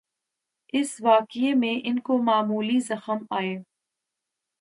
اس واقعے میں ان کو معمولی زخم آئے۔